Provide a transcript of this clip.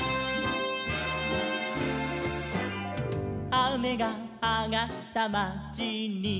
「あめがあがったまちに」